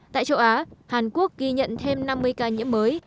tại châu á hàn quốc ghi nhận thêm năm mươi ca nhiễm mới